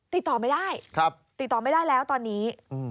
ติดต่อไม่ได้ติดต่อไม่ได้แล้วตอนนี้